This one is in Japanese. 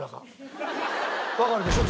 わかるでしょ？